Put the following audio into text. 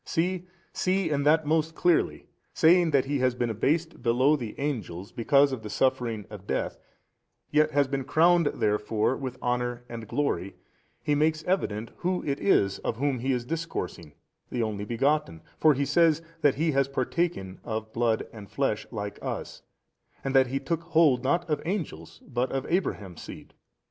See, see and that most clearly, saying that He has been abased below the Angels because of the suffering of death, yet has been crowned therefore with honour and glory, he makes evident Who it is of Whom he is discoursing, the Only Begotten: for he says that He has partaken of blood and flesh like us, and that He took hold not of angels but of Abraham's seed.